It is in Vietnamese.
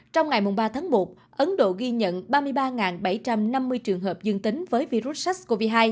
trong ngày ba tháng một ấn độ ghi nhận ba mươi ba bảy trăm năm mươi trường hợp dương tính với virus sars cov hai